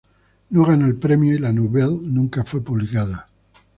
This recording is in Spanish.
No ganó el premio, y la nouvelle nunca fue publicada.